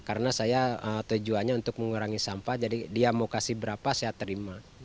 karena saya tujuannya untuk mengurangi sampah jadi dia mau kasih berapa saya terima